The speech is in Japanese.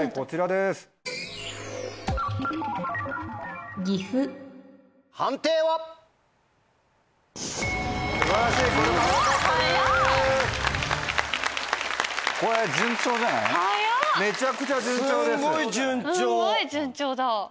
すごい順調だ。